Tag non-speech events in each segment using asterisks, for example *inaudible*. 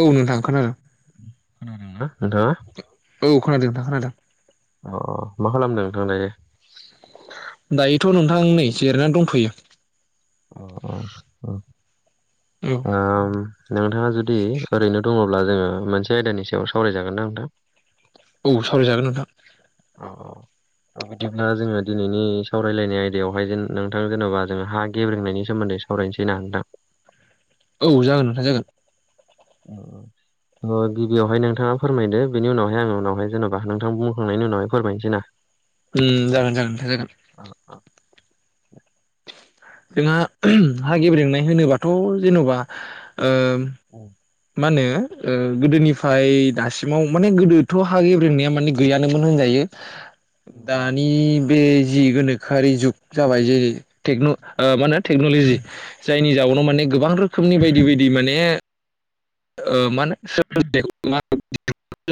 औ नोंथां खोनादों। खोनादों ना नोंथाङा? औ खानादों नोंथां खोनादों। अ मा खालामदों नोंथां दायो? दायोथ' नोंथां नै जिरायनानै दंथयो। अ अ औ आम नोंथाङा जुदि ओरैनो दङब्ला जोङो मोनसे आयदानि सायाव सावरायजागोना नोंथां? औ सावराय जागोन नोंथां। औ औ बिदिब्ला जोङो दिनैनि सावरायलायनाय आयदायावहाय जेन नोंथां जेनेबा जोंङो हा गेब्रेंनायनि सोमोन्दै सावरायनोसै ना नोंथां? औ जागोन नोंथां जागोन। औ औ। अ गिबियावहाय नोंथाङा फोरमायदो बेनि उनावहाय आं उनावहाय जेन'बा नोंथां बुंखांनायनि उनावहाय फोरमायनोसै ना? उम्म जागोन जागोन नोंथां जागोन। अ अ जोंहा हा गेब्रेंनाय होनोबाथ' जेन'बा ओ औ मा होनो? ओ गोदोनिफ्राय दासिमाव माने गोदोथ' हा ग्रेब्रेंनाया माने गैयानोमोन होनजायो। औ दानि बे जि गोनोखोआरि जुग जाबाय जे टेकन' मा होनो टेक्न'लजि जायनि जाउनाव माने गोबां रोखोमनि बायदि बायदि माने मा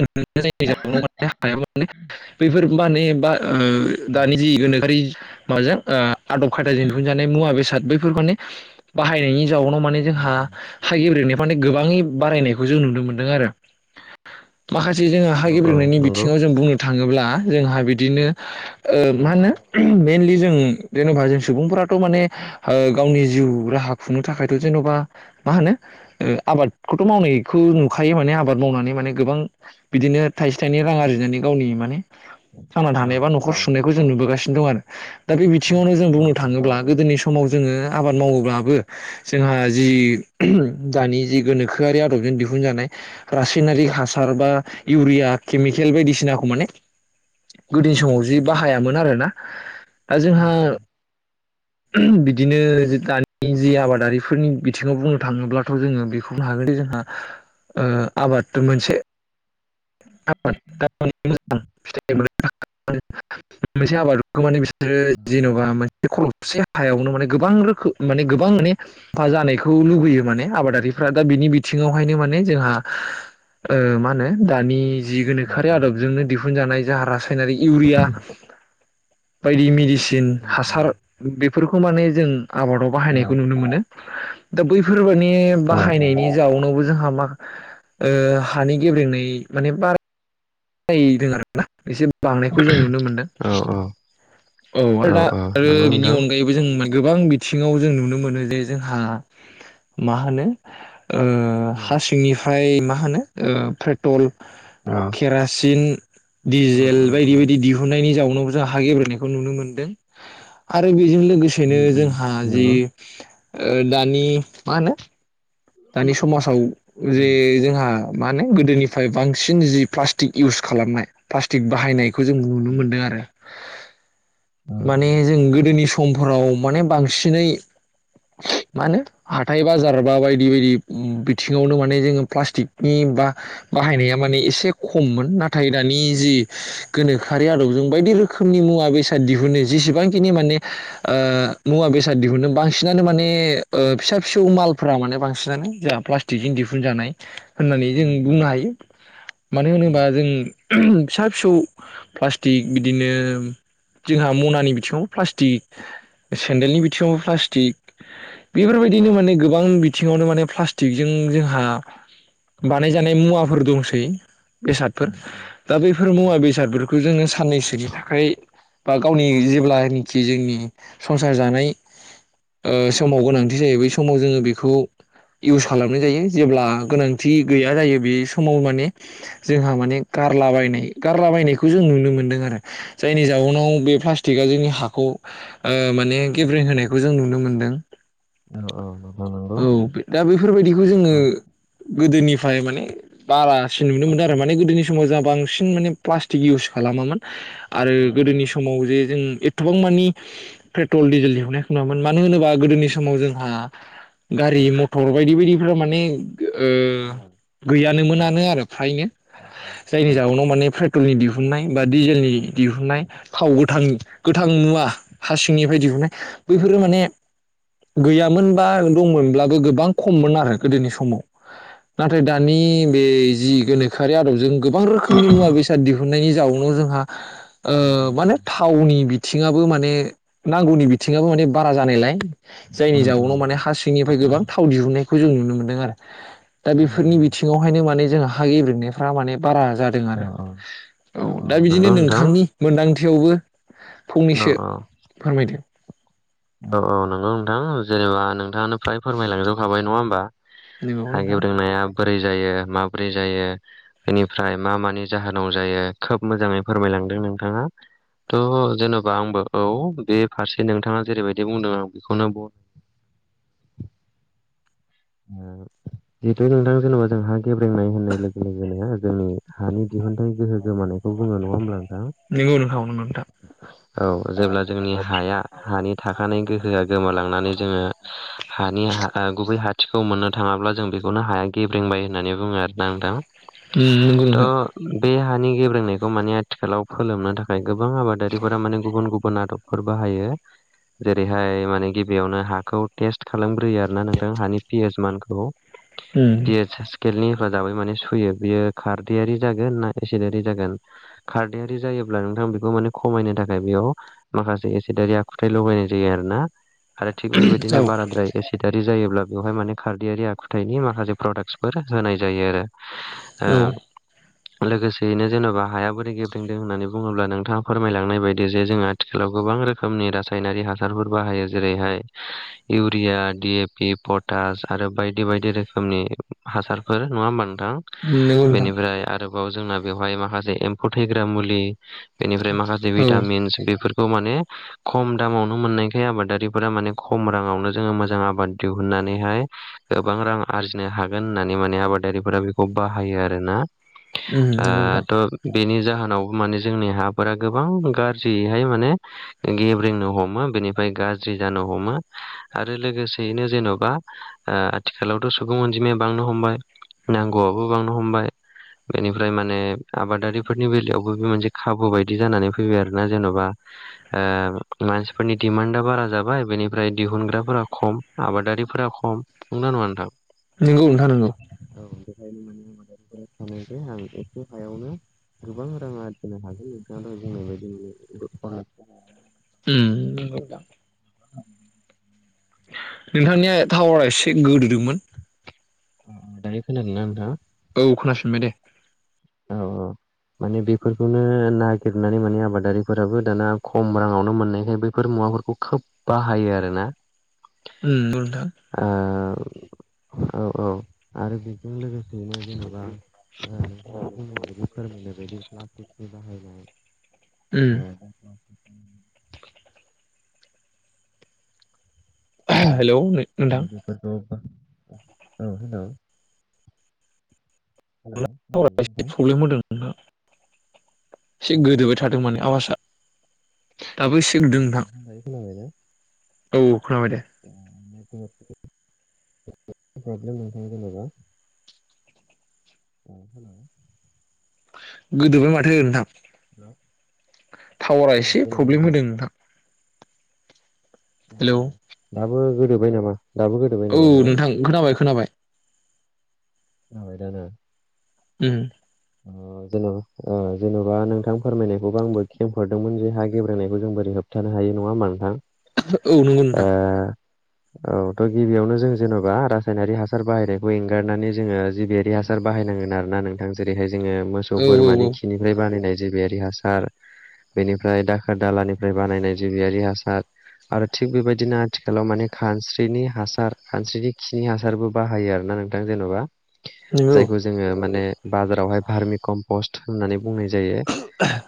होनो *unintelligible* *inaudible* हायामाने बैफोर माने बा ओ औ दानि जि गोनोखोआरि माबाजों आदब खायदाजों दिहुनजानाय मुवा बेसाद बैफोरखौ माने बाहायनायनि जाउनाव माने उम जोंहा उम हागेब्रेंनायफ्रा माने गोबाङै बारायनायखौ जों नुनो मोनदों आरो। माखासे जोङो औ हा औ गेब्रेंनायनि नंगौ बिथिङाव जों बुंनो थाङोब्ला जोंहा बिदिनो ओ औ मा होनो मेनलि जों जेनेबा जों सुबुंफोराथ' माने ओ गावनि जिउ राहा खुंनो थाखायथ' जेन'बा मा होनो ओ आबाद खौथ' मावनायखौ नुखायो माने आबाद मावनानै माने गोबां बिदिनो थाइसे थाइनै रां आरजिनानै गावनि माने थांना औ थानाय एबा न'खर औ सुंनायखौ जों नुबोगासिनो दं आरो। दा बे बिथिङावनो जों औ बुंनो औ थाङोब्ला गोदोनि स समाव जोङो आबाद मावोब्लाबो जोंहा जि दानि जि गोनोखो खोआरि आदबजों दिहुनजानाय रासायनारिक हासार बा इउरिया केमिकेल बायदिसिनाखौ माने गोदोनि उम समाव जि उम बाहायामोन आरो ना। ओ उम जोंहा उम *unintelligible* बिदिनो जि दानि जे आबादारिफोरनि बिथिङाव बुंनो थाङोब्लाथ' जोङो बेखौ मावनो हागोनदि जोंहा ओ आबाद मोनसे आबाद *unintelligible* *inaudible* मोनसे आबादखौ माने बिसोरो औ जेन'बा मोनसे खर' खसे हायावनो माने गोबां रोखोम माने गोबां माने हा जानायखौ लुुबैयो माने आबादारि फ्रा दा बिनि बिथिङावहायनो माने जोंहा ओ मा होनो दानि जि गोनोखोआरि आदबजोंनो दिहुनजानाय जा रासायनारि इउरिया बायदि मेडिसिन हासार बेफोरखौ माने जों आबादाव बाहायनायखौ नुनो मोनो। दा बैफोर माने बाहायनायनि जाउनावबो जोंहा मा ओ हानि गेब्रेंनाय माने बारा नायदों आरो ना एसे बांनायखौ जों नुनो मोनदों, औ आरो दा आरो नंगौ बेनि नोंथां अनगायैबो जों मोन गोबां बिथिङाव जों नुनो मोनो जे जोंहा मा होनो ओ हा सिंनिफ्राय मा होनो ओ पेट्रल अ केरासिन, डिजेल बायदि बायदि उम दिहुननायनि जाउन नाव जा हा गेब्रेंनायखौ नुनो मोनदों आरो बिजों लोगोसेनो उम उम जोंहा जि नंगौ ओ दानि मा होनो दानि समाजाव जे उम जोंहा माने गोदोनिफ्राय बांसिन जि प्लास्टिक इउस खालामनाय प्लास्टिक बाहायनाय खौ जों नुनो मोन्दों आरो उम माने जों गोदोनि स मफोराव माने बांसिनै मा होनो हाथाय बाजारबा बाय दि बायदि बिथिङावनो माने जोङो प्लास्टिकनि बा बाहायनाया माने एसे खममोन नाथाय दानि जि गोनोखोआरि आदबजों बायदि रोखोमनि मुवा बेसाद दिहुनो जेसेबांखिनि ओ मुवा बेसाद दिहुनो बांसिनानो माने ओ फिसा फिसौ मालफ्रा माने बां सिनानो जोंहा प्लास्टिकजों दिहुनजानाय होननानै जों उम उम बुंनो हायो। मानो उम होनोबा जों फिसा फिसौ प्लास्टिक बिदिनो जोंहा मनानि बिथिङावबो प्लास्टिक सेन्देलनि बिथिङावबो प्लास्टिक बेफोरबायदिनो माने गोबां बिथ थिङावनो माने प्लास्टिकजों जोंहा बानायजानाय मुवाफोर दंसै बेसादफोर दा बैफोर मुवा बेसादफोरखौ जोङो साननैसोनि थाखाय बा गावनि जेब्लानखि जोंनि संसार जानाय ओ समाव गोनांथि जायो बै समाव जोङो बेखौ इउस खालामनाय जायो जेब्ला गोनांथि गैया जायो बे समाव माने जोंहा माने गा गारलाबायनाय गारलाबायनायखौ जों नुनो मोनदों आरो जायनि जउनाव बे प्लाष्टिकआ जोंनि हाखौ ओ माने गेब्रेें होनायखौ जों नुनो मोनदों औ दा बेफोरबायदिखौ जोङो गोदोनिफ्राय माने बारा सिन नुनो मोनदों आरो माने गोदोनि समाव जोंहा बांसिन माने प्लास्टिक इउस खालामामोन आरो गोदोनि समाव जे जों गोबां मानि पेट्रल दिजेल दिहुनायखौ नुवामोन मानो होनोबा गोदोनि समाव जोंहा गारि मथर बायदि बायदिफोरा माने गो ओ गैयानोमोनानो आरो फ्रायनो जायनि जउनाव माने फ्रा पेट्रलनि दिहुननाय बा डिजेलनि दिहुननाय थाव गोथां गोथां मुवा हासिंनिफ्रा दि हुननाय बैफोरो माने गैयामोन बा दंमोनब्लाबो गोबां खममोन आरो गोदोनि समाव नाथाय दानि बे जि गोनोखोआरि आदबजों गोबां रोखोमनि मुवा बेसाद दिहुननायनि जाउनाव जोंहा ओ मा होनो थावनि बि बिथिङाबबो माने नांगौनि बिथिङाबो माने बारा जानायलाय जायनि जउनाव माने हा सिं निफ्राय गोबां थाव दिहुननायखौ जों नुनो मोनदों आरो। दा बेफोरनि बिथिङावहायनो माने जों हा गेब्रेंनाय फ्रा माने बारा जादों औ औ आरो। औ दा बिदिनो नंगौ नोंथां नोंथांनि मोनदांथियावबो औ फंनैसो फोरमायदो औ औ नंगौ नोंथां जेनेबा नोंथाङानो फ्राय फोरमायलांजोबखाबाय। नङा होमबा? नंगौ हा नोंथां गेब्रेंनाया बोरै जायो? माबोरै जायो? बेनिफ्राय मा मानि जाहोनाव जायो? खोब मोजाङै फोरमाय लांदों नोंथाङा त जेन'बा आंबो औ बे फारसे नोंथाङा जेरैबायदि बुंदों आं बेखौनो *unintelligible* ओ जिहेथु नोंथां जेनेबा जों हा गेब्रेंनाय होननाय लोगो लोगोनो जोंनि हानि दिहुनथाइ गोहो गोमानायखौ बुङो। नङा होमब्ला नोंथां? मोन *unintelligible* मोन दा औ जेब्ला जोंनि हाया हानि थाखानाय गोहोआ गोमालांनानै जोङो हानि हा गुबै हाथिखौ मोननो थाङाब्ला जों बेखौनो हाया गेब्रेंबाय होननानै बुङो आरोना नोंथां। नंगौ नोंथां थ' बे हा नि गेबेेंनायखौ माने आथिखालाव फोलोमनो थाखाय गोबां आबादारिफोरा माने गुबुन गुबुन आदबफोर बाहायो जेरैहाय माने गिबियावनो हाखौ टेस्ट खालामग्रो यो आरोना नोंथां हानि पि एइस मानखौ नंगौ नोंथां पि एइस *unintelligible* नि हेफाजाबायै मने सुयो बियो खारदैरि जागोन ना एसिदारि जागोन खारदैयारि जायो ब्ला नोंथां बेखौ माने खमायनो थाखाय बेयाव माखासे एसेदारि आखुथाय लगायनाय जायो आरोना। आरो थिग बेबायदिनो बाराद्राय एसिदारि जायोब्ला बेवहाय माने खारदैयारि आखुथायाइनि माखासे प्रडाक्टसफोर होनाय जायो आरो। औ लोगोसेयैनो जेन'बा हाया बोरै गेब्रेंंदों होननानै बुङोब्ला नोंथाङा फोरमायलांनाय बायदि जे जोङो आथिखालाव गो गोबां रोखोमनि रासायनारि हासारफोर बाहायो जेरैहाय urea D A P potash आरो बायदि बायदि रोखोमनि हासारफोर नङा होमबा नों थां नंगौ नोंथां बेनिफ्राय आरोबाव जोंना बेवहाय माखासे एम्फौ थैग्रा मुलि बेनिफ्राय माखासे औ भिटामिन्स बेफोर खौ माने खम दामावनो मोननायखाय आबादारिफोरा माने खम राङावनो जोङो मोजां आबाद दिहुनना नैहाय गोबां रां आरजिनो हागोन होननानै माने आबादारिफोरा बेखौ बाहायो आरोना। ओ नंगौ नोंथां थ' बेनि जाहोनावबो माने जोंनि हाफोरा गोबां गाज्रियैहाय माने गेब्रेंनो हमो बेनिफ्राय गाज्रि जानो हमो आरो लोगोसेयैनो जेन'बा ओ आथिखालावथ' सुबुं अनजिमाया बांनो हमबाय नांगौआबो बांनो हमबाय बेनिफ्राय माने आबादारिफोरनि बेलायावबो बे मोनसे खाबु बायदि जानानै फैबाय आरोना जेन'बा ओ मानसिफोरनि दिडिमान्डआ बारा जाबाय बेनिफ्राय दिहुनग्राफोरा खम आबादारिफोरा ख म नंना नङा नोंथां? नंगौ नोंथां नंगौ औ बेखायनो माने आदारिफोरा सानो जे आं एसे हायावनो गोबां रां आरजिनो हागोन नोंथाङा दहाय बुंनाय बायदि माने *unintelligible* उम नोगौ नोंथां नोंथांनिया थावरा एसे गोदोदोंमोन दायो खोनादों ना नोंथां? औ खोनाफिनबाय दे। औ औ माने बेफोरखौनो नागिरनानै माने आबादारिफोराबो दाना खम राङावनो मोननायखाय बैफोर मुवाफोरखौ खोब बाहायो आरोना। उम नोंगौ नोंथां। ओ औ औ आरो बेजों लोगोसेयैनो जेन'बा ओ नाय बायदि फोरमायनाय बायदि प्लास्टिकनि बाहायनाय उम ओ हेलौ नोंथां आरो बेफोरखौ औ हेल' खोनादोंना टावारा नोंथां? एसे प्रब्लेम होदों नोंथां। औ एसे औ गोदोबाय दायो थादों माने खोनाबायना? औ आवासा। दायो खोनाबायना? औ खोनाबाय दे। *unintelligible* जेनेबा औ हेल' गोदोबाय माथो नोंथां टावारा एसे प्रब्लेम होदों नोंथां। हेलौ *unintelligible* औ दाबो गोदोबबाय नामा दाबो गोदोबाय औ नामा हेल' नोंथां खोनाबाय खोनाबाय जाबायदा ना? उम ओ जोंङो ओ जेन'बा नोंथां फोरमायनायखौबो आंबो खेंफोरदोंमोन जे हा गेब्रेंनायखो जों बोरै होबथानो हायो नङा होबामा नोंथां? औ नोंगौ नोंथां। औ थ' गिबियावनो जों जेन'बा रासायनारि हासार बाहायनायखौ एंगारनानै जोङो जिबियारि हासार बाहायनांगोन आरोना नोंथां जेरैहाय जोङो मोसौ औ औ बोरमानि औ खिनिफ्राय बानायनाय जेबाययारि हासार बेनिफ्राय दाखोर दालानिफ्राय बानायनाय जिबियारि हासार आरो थिग बेबायदिनो आथिखालाव माने खानस्रिनि हासार खानस्रिनि खिनि हासारबो बाहायो आरो ना। ना नोंथां जेनेबा नंगौ जायखौ जोंङो माने फारमिखनफस बुंनाय जायो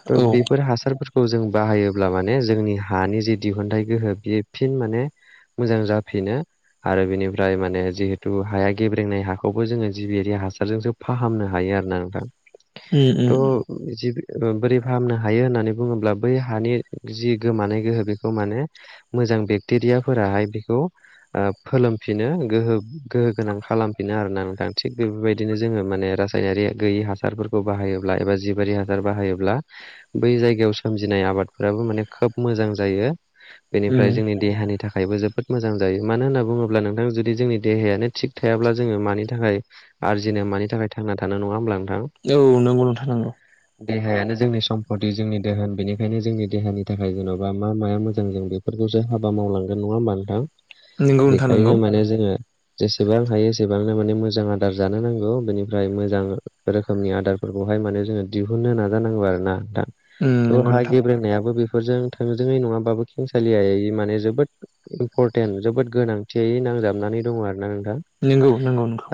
त' औ बेफोर हासारफोर। खौ जों बाहायोब्ला माने जोंनि हानि जे दिहुनथाइ गोहो बेयो फिन माने मोजां जाफिनो आरो बेनिफ्राय माने जिहेतु हाया गेब्रेंनाय हाखौबो जोङो जिबियारि हासारजोंसो फाहामनो। हायो आरो नोंथां उम उम थ' जिबि बोरै फाहामनो हायो होननानै बुङोब्ला बै हानि जि गोमानाय गोहो बेखौ माने मो मोजां बेक्टेरिया फोराहाय बेखौ ओ फोलोमफिनो गो गोहो गोनां खालामफिनो आरोना नोंथां थिग बेबायदिनो जोङो माने रा गैयि हासारफोरखौ बाहायोब्ला एबा जिबारि हासार बाहायोब्ला बै जायगायाव सोमजिनाय आबादफोराबो माने खोब मोजां जायो उम बेनिफ्राय जोंनि देहानि था खायबो जोबोद मोजां जायो मानो होनना बुङोब्ला नोंथां जुदि जोंनि देहायानो थिग थायाब्ला जोङो मानि थाखाय आरजिनो मानि थाखाय थांना थानो नङा होमब्ला नों औ नोंगौ नोंथां नंगौ। देहायानो जोंनि सम्पति जोंनि दोहोन बेनिखायनो जोंनि देहानि थाखाय जेन'बा मा माया मोजां जों बेफोरखौ सो हाबा मावलांगोन नङा होमबा नोंथां नंगौ नोंथां नंगौ बेखायनो माने जोङो जेसेबां हायो एसेबांनो माने मोजां आदार जानो नांगौ बेनि फ्राय मोजां रोखोमनि आदारफोरखौहाय माने जोङो दिहुननो नाजानांगौ आरो ना दा। उम थ नंगौ हा नोंथां ग्रेंनायाबो बे बेजों थोंजोङै नङाबो खेंसालियै माने जोबोद इम्परटेन्ट जोबोद गोनांथियै नांजाबनानै दङ आरो ना नों नंगौ नंगौ नंगौ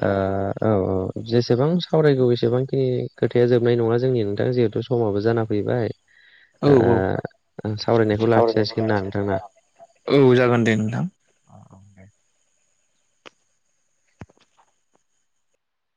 औ औ जेसेबां सावरायगौ बेसेबां ए खोथाया जोबनाय नङा जोंनि नोंथां जिहेथु समाबो जाना फैबाय औ औ ओ सावरायनायखौ लाखिजासिगोन ना नोंथां ना। औ जागोन दे नोंथां। औ दे।